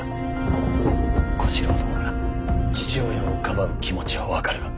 小四郎殿が父親をかばう気持ちは分かるが。